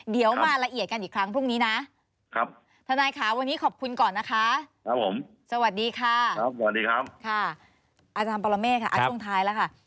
เดี๋ยวมาละเอียดกันอีกครั้งพรุ่งนี้นะทนายค่ะวันนี้ขอบคุณก่อนนะคะสวัสดีค่ะอาจารย์ประมาเมฆค่ะอันตรงท้ายแล้วค่ะ